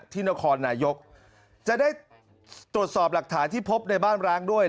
ที่นครนายกจะได้ตรวจสอบหลักฐานที่พบในบ้านร้างด้วย